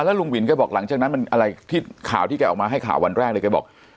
ลุงวินแกบอกหลังจากนั้นมันอะไรที่ข่าวที่แกออกมาให้ข่าววันแรกเลยแกบอก